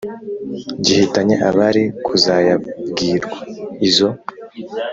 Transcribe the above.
Gihitanye abari kuzayabwirwa izo